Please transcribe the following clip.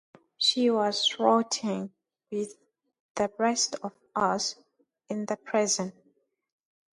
She was rotting with the rest of us in that prison.